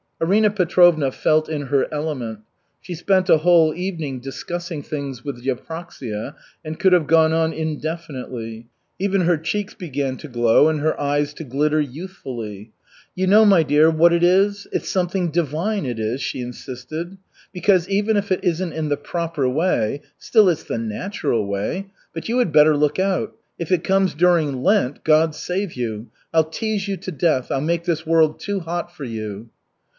Arina Petrovna felt in her element. She spent a whole evening discussing things with Yevpraksia and could have gone on indefinitely. Even her cheeks began to glow and her eyes to glitter youthfully. "You know, my dear, what it is? It's something divine, it is," she insisted. "Because, even if it isn't in the proper way, still it's the natural way. But you had better look out. If it comes during Lent God save you! I'll tease you to death, I'll make this world too hot for you."